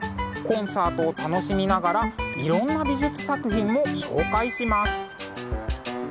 コンサートを楽しみながらいろんな美術作品も紹介します。